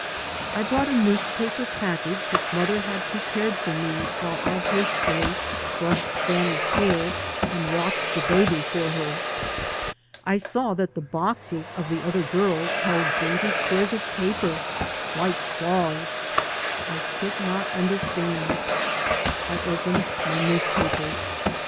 I brought a newspaper pack age which mother had prepared for me while I hastily brushed Fanny's hair and rocked the baby for her. I saw that the boxes of the other g^rls held dainty squares of paper, white cloths ; I could not understand. I opened my newspaper.